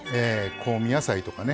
香味野菜とかね